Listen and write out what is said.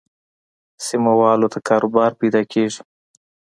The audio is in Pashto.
سیمه والو ته کاروبار پیدا کېږي.